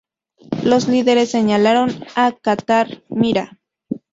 Los líderes señalaron a Catar: ¡mira!